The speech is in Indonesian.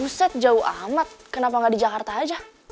buset jauh amat kenapa gak di jakarta aja